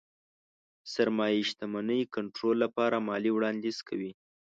سرمايې شتمنۍ کنټرول لپاره ماليې وړانديز کوي.